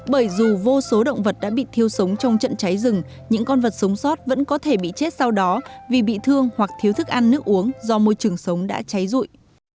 bởi dù vô số động vật đã bị thiêu sống trong trận cháy rừng những con vật sống sót vẫn có thể bị chết sau đó vì bị thương hoặc thiếu thức ăn nước uống do môi trường sống đã cháy rụi